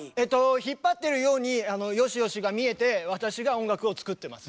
引っ張ってるようによしよしが見えて私が音楽を作ってます。